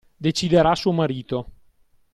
Deciderà suo marito.